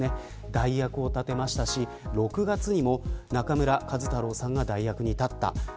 代役を立てましたし、６月にも中村壱太郎さんが代役に立ちました。